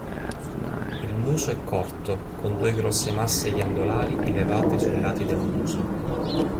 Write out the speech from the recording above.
Il muso è corto con due grosse masse ghiandolari elevate sui lati del muso.